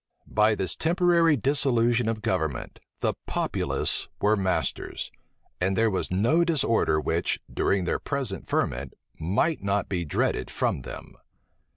By this temporary dissolution of government, the populace were masters; and there was no disorder which, during their present ferment, might not be dreaded from them.